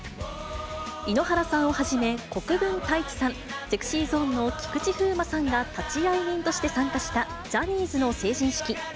井ノ原さんをはじめ、国分太一さん、ＳｅｘｙＺｏｎｅの菊池風磨さんが立会人として参加した、ジャニーズの成人式。